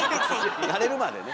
慣れるまでね。